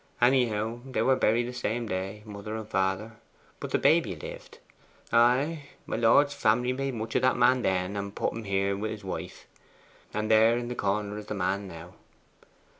Anyhow, they were buried the same day father and mother but the baby lived. Ay, my lord's family made much of that man then, and put him here with his wife, and there in the corner the man is now.